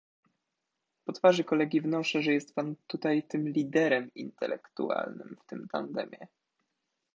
Po twarzy kolegi wnoszę, że pan jest tutaj tym liderem intelektualnym w tym tandemie.